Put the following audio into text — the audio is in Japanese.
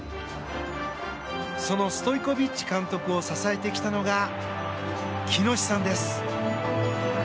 そのストイコビッチ監督を支えてきたのが喜熨斗さんです。